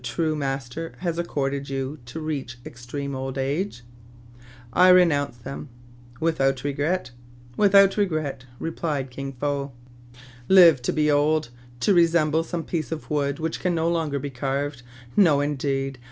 True Master has accorded you to reach extreme old age ?"" I renounce them." Without regret }" "Without regret,'* replied Kin Fo. "Live to be old ! To resemble some piece of wood which can no longer be carved ! No, indeed